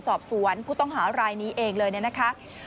สอบสวนผู้ต้องหารายนี้เองเลยเนี่ยนะคะ